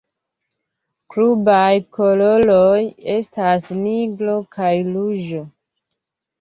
Klubaj koloroj estas nigro kaj ruĝo.